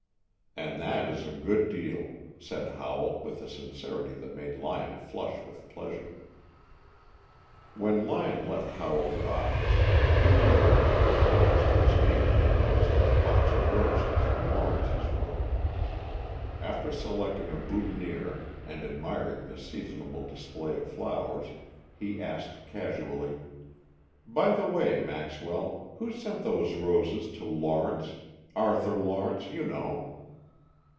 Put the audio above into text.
"And that is a good deal," said Howell, with a sincerity that made Lyon flush with pleasure. When Lyon left Howell's office, he went around to the florist whose name he had noted on the box of roses in Lawrence's room. After selecting a boutonnière and admiring the seasonable display of flowers, he asked casually, "By the way. Maxwell, who sent those roses to Lawrence, Arthur Lawrence, you know?"